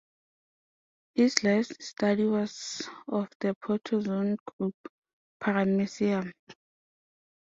His life's study was of the protozoan group "Paramecium".